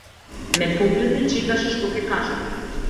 Ме погледна и чекаше што ќе кажам.